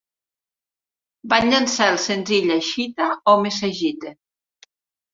Van llançar el senzill Ashita o Mezashite!